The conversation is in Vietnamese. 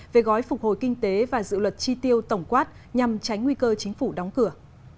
về gói phục hồi kinh tế và dự luật chi tiêu tổng quát nhằm tránh nguy cơ chính phủ đóng cửa